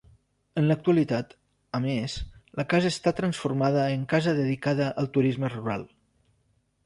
En l'actualitat, a més, la casa ha estat transformada en casa dedicada al turisme rural.